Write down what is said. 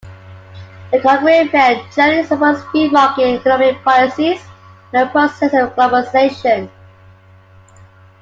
"The Courier-Mail" generally supports free market economic policies and the process of globalisation.